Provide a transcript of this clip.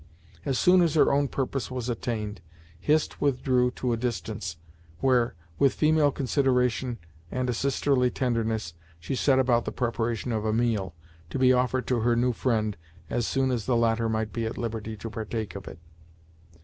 As soon as her own purpose was attained, Hist withdrew to a distance, where, with female consideration and a sisterly tenderness she set about the preparation of a meal, to be offered to her new friend as soon as the latter might be at liberty to partake of it.